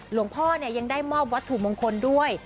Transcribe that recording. หลวงพ่อยังได้มอบวัตถุมงคลด้วย